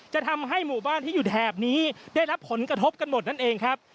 จะทำให้หมู่บ้านที่อยู่แถบนี้ได้รับผลกระทบกันหมดนั่นเองครับ